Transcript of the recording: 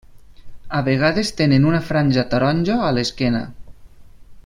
A vegades tenen una franja taronja a l'esquena.